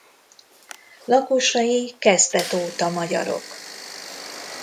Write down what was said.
Lakosai kezdet óta magyarok.